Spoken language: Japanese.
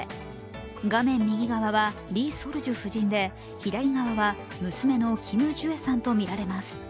画面右側はリ・ソルジュ夫人で左側は娘のキム・ジュエさんとみられます